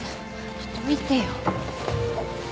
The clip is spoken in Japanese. ちょっとどいてよ。